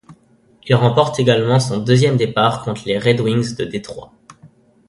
Il remporte également son deuxième départ contre les Red Wings de Détroit.